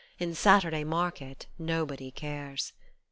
In Saturday Market nobody cares.